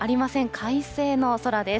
快晴の空です。